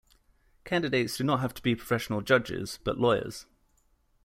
Candidates do not have to be professional judges, but lawyers.